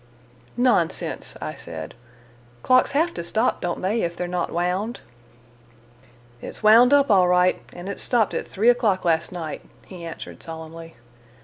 "Nonsense," I said. "Clocks have to stop, don't they, if they're not wound?" "It's wound up, all right, and it stopped at three o'clock last night," he answered solemnly.